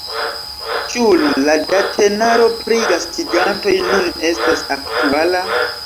Ĉu la datenaro pri la gastigantoj nun estas aktuala?